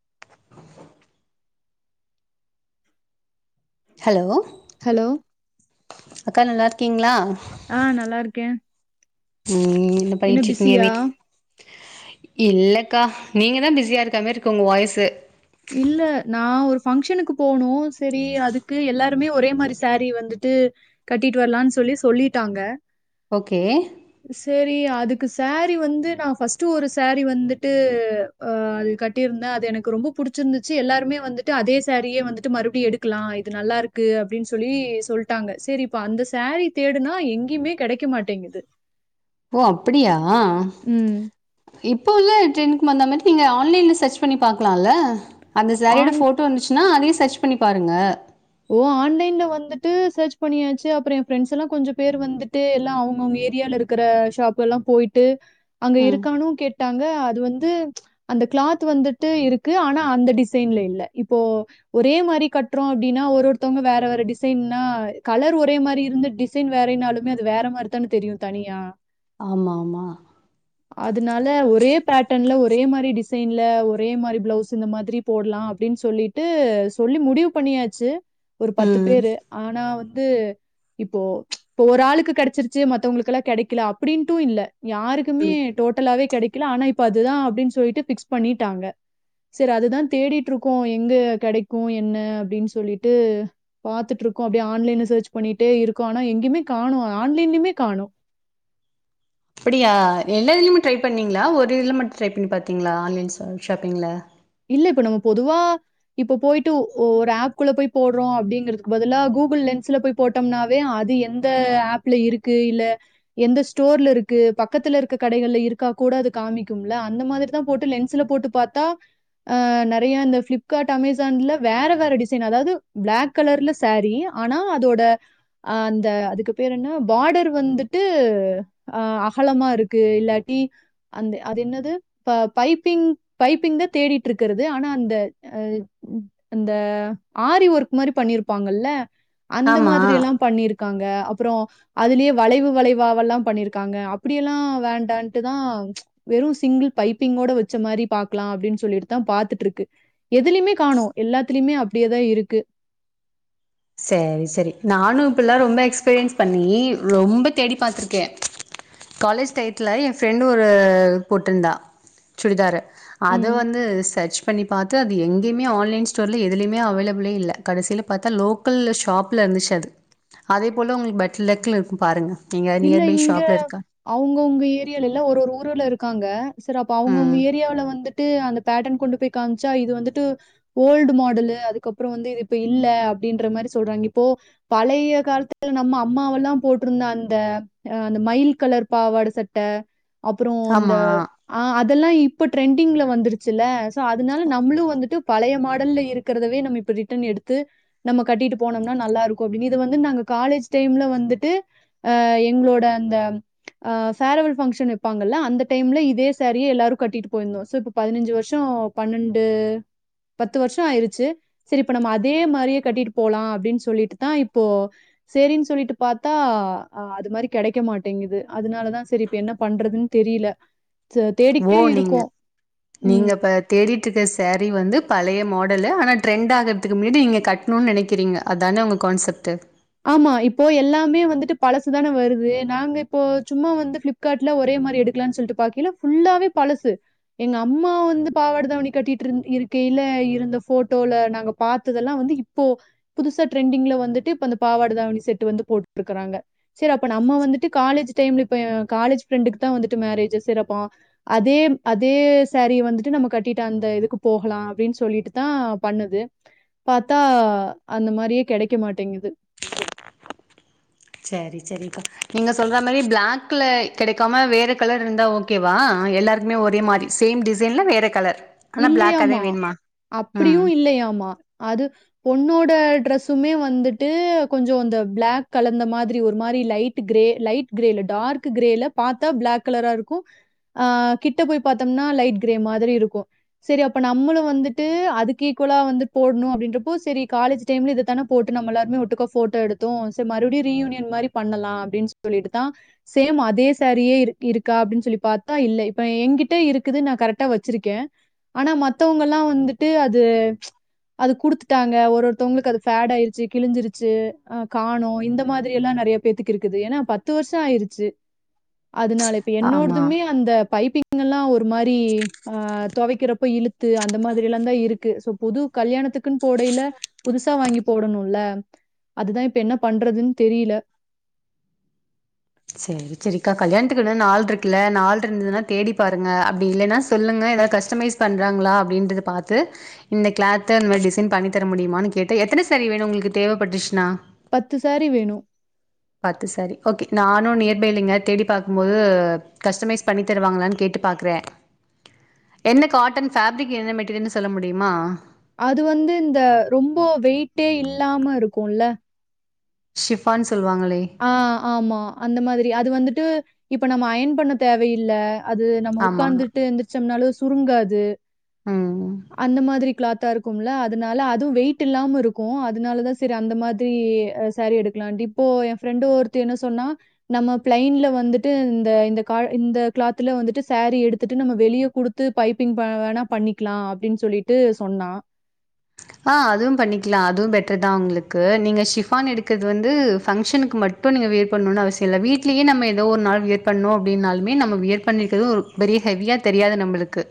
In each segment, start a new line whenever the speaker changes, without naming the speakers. [inaudible] Hello
hello.
அக்கா நல்லா ஓகேங்களா
ஆ நல்லா இருக்கேன்
ம் என்ன பயச்சிருக்கீங்க வீட் இல்லக்கா நீங்க தான் பிஸியா இருக்கமரி இருக்கு உங்க வாய்ஸு
இல்ல நான் ஒரு ஃபங்சனுக்கு போனோம் சரி அதுக்கு எல்லாருமே ஒரே மாரி சேரீ வந்துட்டு கட்டிட்டு வரலாம்னு சொல்லி சொல்லிட்டாங்க
ஓகே
சரி, அதுக்கு சேரீ வந்து நான ஃபர்ஸ்ட் ஒரு சேரீ வந்துட்டு அ அது கட்டியிருந்தேன் அது எனக்கு ரொம்ப பிடிச் முச்சிருந்துச்சு எல்லாருமே வந்துட்டு அதே சேரீ வந்துட்டு மறுபடியும் எடுக்கலாம் இது நல்லா இருக்கு அப்டின்னு சொல்லி சொல்ட்டாங்க செரி இப்ப அந்த சேரீ தேடுனா எங்கெயுமே கெடைக்க மாட்டேங்குது
ஓ அப்டியா ஆஹ
ம்.
இப்போ உள்ள [unintelligible] வந்த மாரி நீங்க ஆன்லைன்ல செர்ச் பண்ணி பாக்கலாம்ல்ல அந்த சேரியோட
ஆன்
போட்டோ இந்துச்சுன்னா அதே சர்ச் பண்ணி பாருங்க
ஓ ஆன்லைன்ல வந்துட்டு சர்ச் பண்ணியாச்சு அப்றம் என் ஃப்ரெண்ட்ஸ் எல்லாம் கொஞ்சம் பேர் வந்துட்டு எல்லாம் அவங்கவுங்க ஏரியால இருக்கிற ஷாப்பு எலாம் போயிட்டு அங்க
ம்
இருக்கானும் கேட்டு டாங்க அது வந்து அந்த கிளாத் வந்துட்டு இருக்கு ஆனா அந்த டிசைன்ல இல்ல இப்போ ஒரே மாரி கட்டுறோம் அப்டின்னா ஒரு ஒருத்தங்க வேற வேற டிசைன்னன்னா கலர் ஒரே மாரி இருந்து டிசைன் வேறனாலுமே அது வேற மாரிதானு தெரியும் தனியா
ஆமா ஆமா
அதனால ஒரே பேட்டன்ல ஒரே மாரி டிசைன்ல ஒரே மாரி பிளவுஸ் இந்த மாரி போடலாம் அப்டின்னு சொல்லிட்டு சொல்லி முடிவு பண்ணியா சு ஒரு பத்து
ம்
பேரு ஆனா வந்து வந்து இப்போ இப்போ ஒரு ஆளுக்கு கெடச்சிருச்சு மத்தவங்களுகெலாம் கெடைக்கல அப்டின்ட்டும் இல்ல யாருக்குமே
ம்
டோட்டலாவே கெடைக்கல ஆனா இப்ப அதுதான் அப்டின்னு சொல்லி பிக்ஸ் பண்ணிட்டாங்க சரி அதுதான் தேடிட்டு இருக்கோம் எங்க கெடைக்கும் என்ன அப்டின்னு சொல் சொல்லிட்டு பாத்துட்டு இருக்கோம் அப்டியே ஆன்லைன்ல சர்ச் பண்ணிட்டே இருக்கோம் ஆனா எங்கெயுமே காணோம்ஆன்லைன்லயுமே காணொம்
அப்டியா எல்லா இதுலுமே ட்ரை பண்ணீங்களா ஒரு இதுல மட்டும் ட்ரை பண்ணி பாத்தீங்களா ஆன்லைன் ஷாப்பி்ங்ல
இல்ல இப்ப நம்ம பொதுவா இப்ப போயிட்டு ஒரு ஆப்குள்ள போய் போடுறோம் அப்டிங்கிறதுக்கு பதிலா கூகுள் லென்ஸ்ல போய் போட்டோம்னாவே அது எந்த ஆப்ல இருக்கு இல்ல எந்த ஸ்டோர்ல இருக்கு பக்கத்துல இருக்க கடகள்ல இருக்கா கூட அது காமிக்கும்ல அந்த மாரிதான் போட்டு லென்ஸ்ல போட்டு பாத்தா அ நெறைய இந்த பிளிப்கார்ட் அமேசான்ல வேற வேற டிசைன் அதாவது பிளாக் கலர்ல சேரீ ஆனா அதோட அ அந்த அதுக்கு பேர் என்ன பாடர் வந்துட்டு அ அகலமா இருக்கு இல்லாட்டி அந்த அது என்னது ப பைப்பிங் பைப்பிங் தான் தேடி இருக்கிறது ஆனா அந்த அந்த ஆரி ஒர்க் மாரி பண்ணிருப்பாங்கல்ல அந்த
ஆமா
மாதிரி எல்லாம் பண்ணிருக்கு க்காங்க அப்றம் அதுலயே வளைவு வளைவாெல்லாம் பண்ணிருக்காங்க அப்டியெல்லாம் வேண்டான்ட்டு தான் வெறும் சிங்கிள் பைப்பிங்கோட வச்ச மாரி பாக்கலாம் அப்டின்னு சொல்லி தான் பாத்துட்டு இருக்கு எதுலயுமே காணோம் எல்லாத்துலயுமே அப்டியேதான் இருக்கு
செரி செரி நானும் இப்பலாம் ரொம்ப எக்ஸ்பீரியன்ஸ் பண்ணி ரொம்ப தேடி பாத்துருக்கேன் காலேஜ் டயத்துல என் ஃப்ரெண்டும் ஒரு போட்டிருந்தா சுடிதார் அத
ம்.
வந்து செர்ச் பண்ணி பாத்து அது எங்கயுமே ஆன்லைன் ஸ்டோர்ல எதுலையுமே அவைலபிளே இல்லகடைசியில பார்த்தாலோக் லோக்கல்ல ஷாப்ல இருந்துச்சு அது அதே போல உங்களுக்கு பட் லெக்கல இருக்கு பாருங்க நீங்கள்
இல்ல
நியர்பை
இங்க
ஷாப்ல இருக்கா
அவுங்கவுங்க ஏரியல இல்ல ஒரு - ஒரு ஊர்ல இருக்காங்க சார் அப்ப அவுங்கவுங்க
ம்
ஏரியாவல வந்துட்டு அந்த பேட்டன் கொண்டு போய் காம்ச்சா இது வந்துட்டு ஓல்டு மாடலு அதுக்கப்புறம் வந்து இது இப்ப இல்ல அப்டின்ற மரி சொல்றாங்க இப்போ பழைய காலத்துல நம்ம அம்மாவெல்லாம் போட்டிருந்த அந்த அந்த - அந்த மயில் கலர் பாவாட சட்டை அப்புறம் இந்த
ஆமாம்
ஆ அதெல்லாம் இப் இப்ப ட்ரெண்டிங்ல வந்துருச்சுல்ல சோ அதனால நம்ளும் வந்துட்டு பழைய மாடல்ல இருக்கிறதவே நம்ம இப்ப ரிட்டன் எடுத்து நம்ம கட்டிட்டு போனோம்னா நல்லா இருக்கும் இது வந்து நாங்க காலேஜ் டைம்ல வந்துட்டு அஹ எங்களோட அந்த அஹ ஃபேர்வெல் ஃபங்க்ஷன் வைப்பாங்கல்ல அந்த டைம்ல இதே சாரிய எல்லாரும் கட்டிட்டு போயிருந்தோம் சோ இப்ப பதினஞ்சு வருஷம் பன்னெண்டு பத்து வருஷம் ஆயிருச்சு சரி இப்ப நம்ம அதே மரியே கட்டிட்டு போலாம் அப்டின்னு சொல்லிட்டு தான் இப்போ செரின்னு சொல்லிட்டு பாத்தா ஆஹ அது மரி கிடைக்க மாட்டேங்குது அதனாலதான் சரி இப்ப என்ன பண்றதுன்னு தெரில
ஓ நீங்க -
ம்.
நீங்க இப்ப தேடிட்டு இருக்க சாரீ வந்து பளய மாடல் [unintelligible] ஆனா ட்ரெண்ட் ஆகறதுக்கு முன்னாடி நீங்க கட்ணும்னு நினைக்கிறீங்க அதான உங்க கான்செப்ட்
ஆமா இப்போ எல்லாமே வந்துட்டு பழசுதான வருது நாங்க இப்போ சும்மா வந்து ப்ளிப்கார்ட்ல ஒரே மரி எடுக்கலாம்னு சொல்லிட்டு பாக்கிள ஃபுல்லாவே பழசு எங்க அம்மா வந்து பாவட தாவணி கட்டிட்டு இருந் இருக்கையில இருந்த போட்டோல நாங்க பாத்ததெல்லாம் வந்து இப்போ புதுசா ட்ரெண்டிங்ல வந்துட்டு இப்ப பாவாட தாவணி செட்டு வந்து போட்டுருக்கறாங்க செரி அப்ப நம்ம வந்துட்டு காலேஜ் டைம்ல இப்ப காலேஜ் ஃப்ரெண்டுக்கு தான் வந்துட்டு மேரேஜ் செரிஅப்ப அதே - அதே சாரீ வந்துட்டு நம்ம கட்டிட்டு அந்த இதுக்கு போகலாம் அப்டின்னு சொல்லிட்டு தான் பண்ணது பாத்தா அந்த மாரியே கிடைக்க மாட்டேங்குது
சரி சரிக்கா நீங்க சொல்ற மரியே பிளாக்கில கிடைக்காம வேறு கலர் இருந்த ஓகேவா எல்லாருக்குமே ஒரே மாரி சேம் டிசைனில் வேற கலர் ஆனா பிளாக் அதே
இல்லையாமா
வேணுமா ம்
அப்படியும் இல்லையாமா அது பொண்ணோட ட்ரெஸ் சும்மே வந்துட்டு கொஞ்சம் இந்த பிளாக் கலர்ந்த மாதிரி ஒரு மாரி லைட் கிரே லைட் கிரேல டார்க் கிரேல பாத்தா பிளாக் கலரா இருக்கும் ஆஹ கிட்ட போய் பாத்தோம்னா லைட் கிரே மாதிரி இருக்கும் செரி அப்ப நம்முளும் வந்துட்டு அதுக்கு ஈக்குவலா வந்து போட்ணும் அப்டின்றப்போ செரி காலேஜ் டைம்ல இது தானே போட்டு நம்ம எல்லாருமே ஒட்டுக்கா போட்டோ எடுத்தோம் செரி மறுபடியும் ரீயூனியன் மாரி பண்ணலாம் அப்டின்னு சொல்லிட்டு தான் சேம் அதே சாரியே இருக்கு இருக்கா அப்டின்னு சொல்லி பாத்தா இல்ல இப்ப எங்கிட்ட இருக்குது நா கரெக்டா வச்சிருக்கேன் ஆனா மத்தவங்கலாம் வந்துட்டு அது - அது குடுத்துட்டாங்க ஒரு ஒருத்தவங்களுக்கு அது ஃபேடு ஆயிடுச்சு கிழிஞ்சிருச்சு ஆஹ காணும் இந்த மாதிரி எல்லாம் நெறைய பேத்துக்கு இருக்குது ஏன்னா பத்து வருஷம் ஆயிருச்சு அதனால இப்ப
ஆமா
என்னோடதுமே அந்த பைப்பிங் பிங்கல்லாம் ஒரு மாரி ஆ துவைக்கிறப்ப இழுத்து அந்த மாதிரிலாம் தான் இருக்கு சோ புது கல்யாணத்துக்குன்னு போடையில புதுசா வாங்கி போடணும்ல அதுதான் இப்ப என்ன பண்றதுன்னு தெரியல
செரி - செரிக்கா கல்யாணத்துக்கு இன்னும் நாள் இருக்குல நாள் இருந்ததுன்னா தேடி பாருங்க அப்டி இல்லைன்னா சொல்லுங்க ஏதாவது கஸ்டமைஸ் பண்ணுறாங்களா அப்டின்றது பாத்து இந்த கிளாத்த இந்தமரி டிசைன் பண்ணித்தர முடியுமான்னு கேட்டு எத்தன சாரி வேணும் உங்களுக்கு தேவப்பட்டுச்சுனா
பத்து சாரி வேணும்
பத்து சாரீ ஓகே நானும் நியர்பைல இங்க தேடி பாக்கும் போது கஸ்டமைஸ் பண்ணி தருவாங்களானு கேட்டு பாக்குறேன் என்ன காட்டன் ஃபேப்ரிக் என்ன மெட்டீரியல்ன்னனு சொல்ல முடியுமா
அது வந்து இந்த ரொம்ப வெயிட்டே இல்லாம இருக்கும்ல
ஷிபான்ஸ்
ஆஹ ஆமா அந்த மாதிரி அது வந்துட் டு இப்ப நம்ம அயன் பண்ண தேவையில்ல அது நம்ம
ஆமா
உட்கார்ந்துட்டு எந்திரிச்சோம்னாலோ சுருங்காது
ம் ம்.
அந்த மாதிரி கிளாத்தா இருக் உள்ள அதனால அதுவும் வெயிட் இல்லாம இருக்கும் அதனால தான் செரி அந்த மாதிரி சாரீ எடுக்கலாம் இப்போ ஃப்ரெண்டு ஒருத்தி என்ன சொன்னா நம்ம பிளைன்ல வந்துட்டு இந்த - இந்த காட் இந்த கிளாத்ல வந்துட்டு சாரீ எடுத்துட்டு நம்ம வெளிய குடுத்து பைப்பிங் ப வேணா பண்ணிக்கலாம் அப்டின்னு சொல்லிட்டு சொன்னா
ஆஹ அதுவும் பண்ணிக்கலாம் அதுவும் பெட்டர் தான் உங்களுக்கு நீங்க ஷிபான் எடுக்கறது வந்து ஃபங்க்ஷனுக்கு மட்டும் நீங்க வியர் பண்ணணும்ன்னு அவசியம் இல்ல வீட்லயே நம்ம ஏதோ ஒரு நாள் வியர் பண்ணும் அப்டின்னாலுமே நம்ம வியர் பண்ணிருக்கறதும் ஒரு பெரிய ஹெவியா தெரியாது நம்மளுக்கு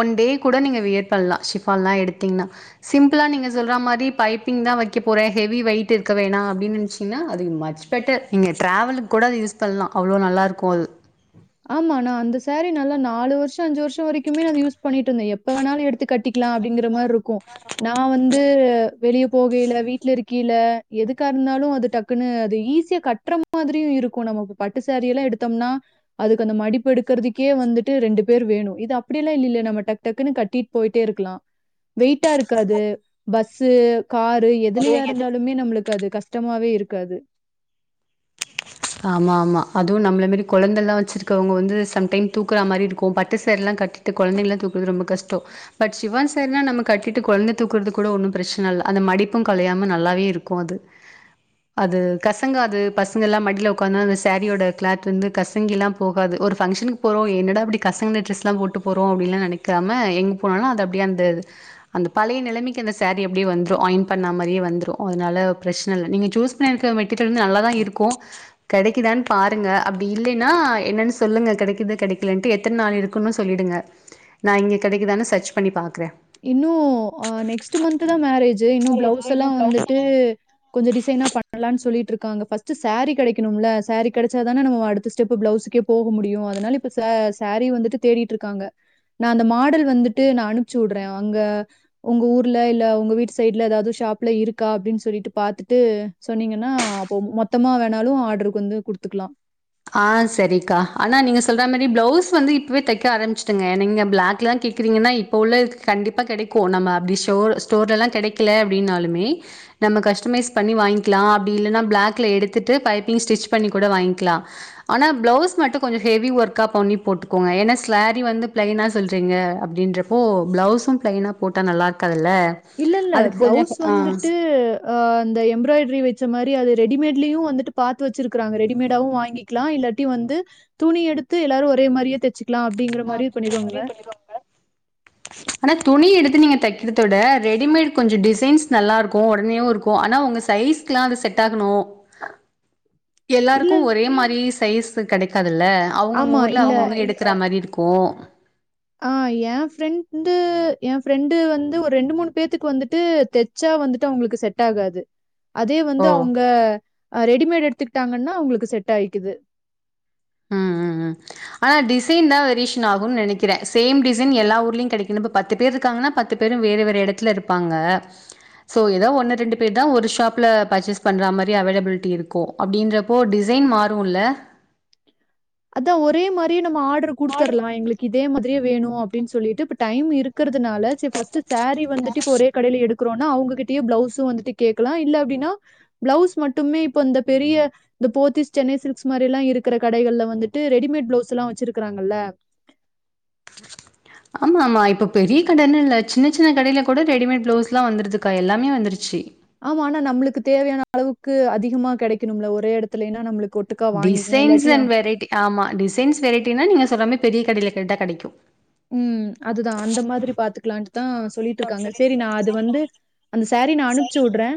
ஒன் டே கூட நீங்க வியர் பண்ணலாம் ஷிஃபான் எல்லாம் எடுத்தீங்கன்னா சிம்பிளா நீங்க சொல்ற மாரி பைப்பிங் தான் வைக்க போறன் ஹெவி வெயிட் இருக்க வேணா அப்படின்னு நெனச்சீங்கன்னா அது மச் பெட்டர் நீங்க டிராவலுக்கு கூட அது யூஸ் பண்ணலாம் அவ்ளோ நல்லா இருக்கும் அது
ஆமா நா அந்த சாரீ நல்ல நாலு வருஷம் அஞ்சு வருஷம்வரைக்குமே அது யூஸ் பண்ணிட்டுந்தேன் எப்போ வேணாலும் எடுத்து கட்டிக்கலாம் அப்படிங்கறமரி இருக் கும் நா வந்து வெளிய போகைல வீட்டுல இருக்கைல எதுக்காக இருந்தாலும் அது டக்குன்னு அது ஈஸியா கட்டுற மாதிரியும் இருக்கும் நமக்கு பட்டு சாரீலாம் எடுத்தோம்னா அதுக்கு அந்த மடிப்பு எடுக்கறதுக்கே வந்துட்டு ரெண்டு பேர் வேணும் இது அப்டியெல்லாம் இல்லல நம்ம டக்கு டக்குன்னு கட்டிட்டு போயிட்டே இருக்கலாம் வெயிட்டா இருக்காது பஸ்சு காரு
ஒரு
எதுலயா
எத
இருந்தாலுமே நம்மளுக்கு அது கஷ்டமாவே இருக்காது
ஆம்மாம்மா அதுவு நம்மள மாரி கொழந்தல்லாம் வச்சிருக்கவங்க வந்து சம் டைம் தூக்குற மாரி இருக்கு பட்டு சாரில்லாம் கட்டிட்டு கொழந்தை எல்லாம் தூக்குறது ரொம்ப கஷ்டம் பட் சிஃபான் சேரினா நம்ம கட்டிட்டு கொழந்தை தூக்குறது கூட ஒன்னும் பிரச்சன இல்ல அந்த மடிப்பும் கலையாம நல்லாவே இருக்கு அது அது கசங்காது பசங்கல்லா மடி ல ஒக்காந்தா அந்த சேரியோட க்ளாத் வந்து கசங்கில்லா போகாது ஒரு ஃபங்கஷனுக்கு போறோ என்னடா இப்டி கசங்ன டிரெஸ் எல்லாம் போட்டு போறோ அப்டின்ல்லா நெனைக்காம எங்க போனாலு அது அப்டியே அந்த அந்த பழைய நெலைமைக்கு அந்த சாரி அப்டியே வந்த்ரு அயன் பண்ணா மாரியே வந்த்ரு அதனால பிரச்சன இல்ல நீங்க சூஸ் பண்ணிருக்க மெட்டீரியல் வந்து நல்லாதா இருக்கு கெடைக்குதான்னு பாருங்க அப்டி இல்லைனா என்னன்னு சொல்லுங்க கெடைக்குது கெடைக்கலன்ட்டு எத்தன நாள் இருக்குன்னு சொல்லிடுங்க நா இங்க கெடைக்குதான்னு சர்ச் பண்ணி பாக்கறே
இன்னு அஹ் நெக்ஸ்ட் மந்த்துதா மேரேஜ் ஞ்சு இன்னு பிளவுஸல்லா வந்துட்டு கொஞ்ச டிசைனா பண்ணலான்னு சொல்லிட்டு இருக் க்காங்க ஃபர்ஸ்ட் சாரி கெடைக்கனும்ல சாரி கெடச்சாதான நம்ம அடுத்த ஸ்டெப்பு பிளவுஸ்க்கே போக முடியு அதனால இப்ப சா சாரி வந்துட்டு தேடிட்ருக்காங்க நா அந்த மாடல் வந்துட்டு நா அனுப்புச் டுறேன் அங்க உங்க ஊர்ல இல்ல உங்க வீட்டு சைட்ல ஏதாவது ஷாப்ல இருக்கா அப்டின்னு சொல்லிட்டு பாத்துட்டு சொன்னீங்கன்னா அப்போ மொத்தமா வேணாலும் ஆட்ருக்கு வந்து குடுத்துக்கலாம்
ஆ சரிக்கா ஆனா நீங்க சொல்ற மாரி பிளவுஸ் வந்து இப்பவே தைக்க ஆரம்மிச்சுடுங்க நீங்க பிளாக் எல்லாம் கேக்குறீங்கன்னா இப்போ உள்ள கண்டிப்பா கெடைக்கும் நம்ம அப்டி ஸோர் ஸ்டோர்லல்லாம் கடைக்க அப்டினாலுமே நம்ம கஸ்டமைஸ் பண்ணி வாங்கிலாம் அப்டி இல்லனா பிளாக்ல எடுத்துட்டு பைப்பிங் ஸ்டிச் பண்ணி கூட வாங்கிலாம் ஆனா பிளவுஸ் மட்டும் கொஞ்சம் ஹெவி ஒர்க்கா பண்ணி போட்டுக்கோங்க வந்து ஏன்னா சாரி வந்து ப்லைனா சொல்றீங்க அப்டின்றப்ப பிளவுஸ்சும் ப்லைனா போட்டா நல்லா இருக்காது
இல்ல இல்ல பிளவுஸ் வந்துட்டு அஹ் அந்த எம்ப்ராய்டரி வச்ச மாரி அது ரெடிமேட்லயும் வந்துட்டு பாத்து வச்சிருக்கறாங்க ரெடிமேடாவு வாங்கிக்கலா இல்லாட்டி வந்து துணி எடுத்து எல்லாரு ஒரே மாரியே தச்சு
ஆனா துணி எடுத்து நீங்க தைக்கிறத விட ரெடிமேட் கொஞ்ச டிசைன்ஸ் நல்லா இருக்கும் உடனேயும் இருக்கு ஆனா உங்க சைஸ்க்கெல்லா அது செட் ஆகணு
இல்ல
எல்லாருக்கும்
இல்ல.
ஒரே மாரி ஸ் சைஸ் கெடைக்காது ல்ல அவங்கவுங்க
ஆமா.
ஊர்ல
இல்ல.
அவங்கவுங்க எடுக்கிற மாரி இருக் க்கு
ஆஹ் என் ஃப்ரெண்டு என் ஃப்ரெண்டு வந்து ஒரு ரெண்டு மூணு பேத்துக்கு வந்துட்டு தெச்சா வந்துட்டு அவங்களுக்கு செட் ஆகாது அதே வந்து அவுங்க ஆ ரெடிமேட் எடுத்துக்கிட்டாங்கன்னா அவங்களுக்கு செட் ஆயிக்குது
ம் ம் ம் ஆனா டிசைன்தா வேரியேஷன் ஆகும்னு நெனைக்கிறே சேம் டிசைன் எல்லா ஊர்லயு கெடைக்கணு இப்ப பத்து பேர் இருக்காங்கன்னா பத்து பேரும் வேற வேற எடத்துல இருப்பாங்க சோ ஏதோ ஒண்ணு ரெண்டு பேர்தா ஒரு ஷாப்ல பர்ச்சேஸ் பண்ற மாரி அவைலபிலிட்டி இருக்கு அப்டின்றப்போ டிசைன் மாறும்ல்ல
அதா ஒரே மாரி நம்ம ஆட்ரு குடுத்துரலாம் எங்களுக்கு இதே மாதிரியே வேணும் க்கு அப்டின்னு சொல்லிட்டு இப்ப டைம் இருக் க்றதுனால சேர் சாரீ வந்துட்டு இப்ப ஒரே கடையில எடுக் ஆனா அவங்ககிட்டே பிளவுஸ் வந்துட்டு கேக்லாம் இல்ல அப்டின்னா பிளவுஸ் மட்டுமே இப்ப பெரிய இந்த போத்திஸ் சென்னைசில்க்ஸ் இருக்கிற கடகள்ல வந்து வந்துட்டு ரெடிமேட் பிளவுஸ்ல்லா வச்சிருக்கறாங்கல்ல
ஆமா ஆமா இப்போ பெரிய கடன்னு இல்ல சின்ன சின்ன கடயில கூட ரெடிமேட் ப்ளவுஸ் எல்லாம் வந்தருதுக்கா எல்லாமே வந்துருச்சு
ஆமா ஆனா நம்மளுக்கு தேவையான அளவுக்கு அதிகமா கெடைக்கணும்ல ஒரே எடத்துலயின்னா நம்மளுக்
டிசைன்ஸ் அண்ட் வெரைட்டி ஆமா டிசைன்ஸ் வெரைட்டினா நீங்க சொல்றா மாரி பெரிய கடையில கேட்டா கெடைக்கு
க்லாஞ் தான் சொல்லிட்ருக்காங்க செரி நான் அது வந்து அந்த சாரீ நான் அனுப்ச்சு விட்றே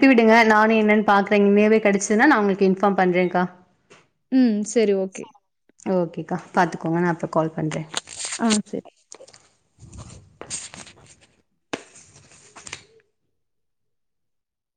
ப்பிவிடுங்க நானும் என்னன்னு பாக்குறே உண்மையாவே கெடைச்சதுன்னா நான் உங்களுக்கு இன்ஃபார்ம் பண்றேன்க்கா
ம் சரி ஓகே
ஓகேக்கா பாத்துக்கோங்க நான் அப்ற கால் பண்றே
ஆஹ் செர்